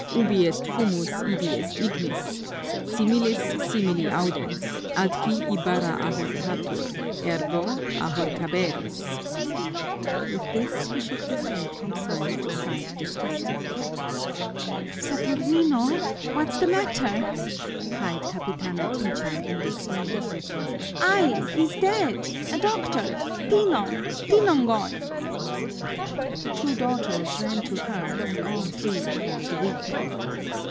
Ubi est fumus ibi est ignis! Similis simili audet; atqui Ibarra ahorcatur, ergo ahorcaberis _" With this he shook his head from side to side disgustedly. "Saturnino, what's the matter?" cried Capitana Tinchang in dismay. "Ay, he's dead! A doctor! Tinong, Tinongoy!" The two daughters ran to her, and all three fell to weeping.